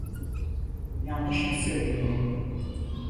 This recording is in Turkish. Yanlış mı söylüyorum?